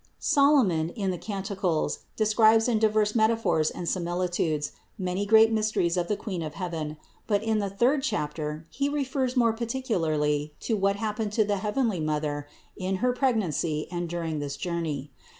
459. Solomon, in the Canticles, describes in diverse metaphors and similitudes many great mysteries of the Queen of heaven, but in the third chapter he refers more particularly to what happened to the heavenly Mother in her pregnancy and during this journey.